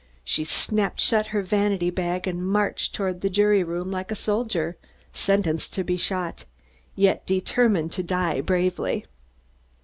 She snapped shut her vanity bag and marched toward the jury room like a soldier, sentenced to be shot, yet determined to die bravely.